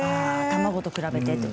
卵と比べて。